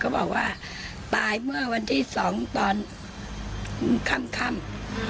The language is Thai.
บอกว่าตายเมื่อวันที่๒ตอนค่ำ